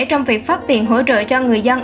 trong việc phát tiền hỗ trợ cho người dân